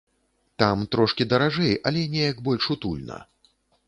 Там трошкі даражэй, але неяк больш утульна.